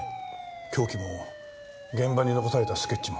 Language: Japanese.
凶器も現場に残されたスケッチも。